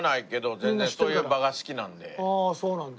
僕はああそうなんだ。